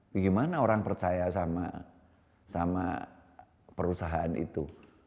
bagaimana orang percaya sama perusahaan itu